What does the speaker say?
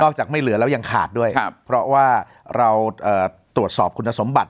จากไม่เหลือแล้วยังขาดด้วยเพราะว่าเราตรวจสอบคุณสมบัติ